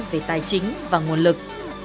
về tài chính và nguồn lực